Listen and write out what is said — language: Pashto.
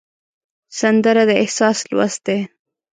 سندره د احساس لوست دی